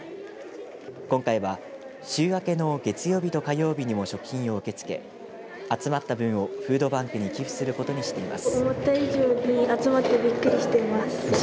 今回は週明けの月曜日と火曜日にも食品を受け付け集まった分をフードバンクに寄付することにしています。